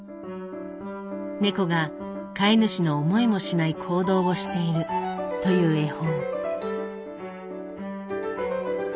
猫が飼い主の思いもしない行動をしているという絵本。